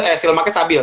eh sialan makanya stabil